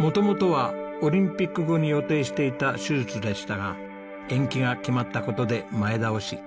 元々はオリンピック後に予定していた手術でしたが延期が決まった事で前倒し。